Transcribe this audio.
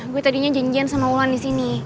gue tadinya janjian sama ulan disini